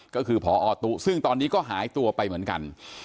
ก็คือพอตุ๊ซึ่งตอนนี้ก็หายตัวไปเหมือนกัน